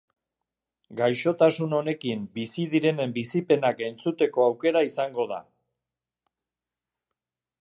Gaixotasun honekin bizi direnen bizipenak entzuteko aukera izango da.